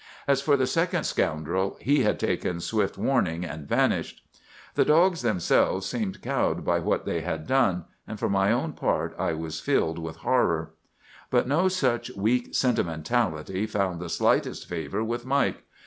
"As for the second scoundrel, he had taken swift warning, and vanished. "The dogs themselves seemed cowed by what they had done; and for my own part, I was filled with horror. "But no such weak sentimentality found the slightest favor with Mike.